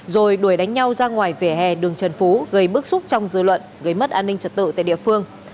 rồi đuổi đánh nhau ra ngoài vỉa hè đường trần phú gây bức xúc trong dư luận gây mất an ninh trật tự tại địa phương